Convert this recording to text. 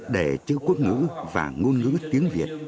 để chữ quốc ngữ và ngôn ngữ tiếng việt